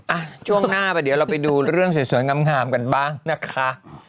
อ่ะช่วงหน้าเดี๋ยวเราไปดูเรื่องสวยงามกันบ้างนะคะ